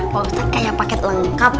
pak ustadz kayak paket lengkap